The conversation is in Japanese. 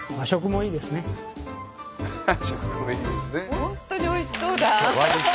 本当においしそうだ。